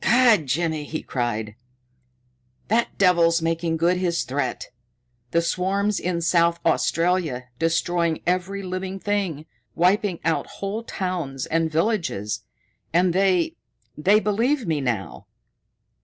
"God, Jimmy," he cried, "that devil's making good his threat! The swarm's in South Australia, destroying every living thing, wiping out whole towns and villages! And they they believe me now!"